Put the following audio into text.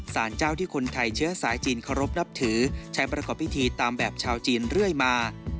สารเจ้าที่คนไทยเชื้อสายจีนเคารพนับถือใช้ประกอบพิธีตามแบบชาวจีนเรื่อยมา